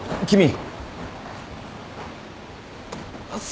君。